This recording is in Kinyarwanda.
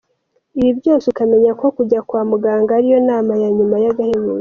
Ibi byose ukamenya ko kujya kwa muganga ariyo nama ya nyuma y´agahebuzo.